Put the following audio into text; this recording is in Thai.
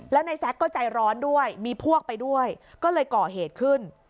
แล้วนายแซ็กก็ใจร้อนด้วยมีพวกไปด้วยก็เลยก่อเหตุขึ้น